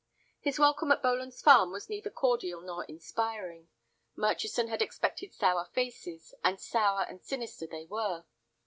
His welcome at Boland's Farm was neither cordial nor inspiring. Murchison had expected sour faces, and sour and sinister they were.